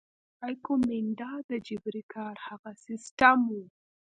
ایکومینډا د جبري کار هغه سیستم وو.